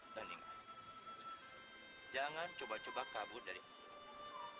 dan ingat jangan coba coba kabur dari aku